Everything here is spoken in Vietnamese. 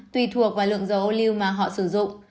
tùy thuộc vào lượng dầu lưu mà họ sử dụng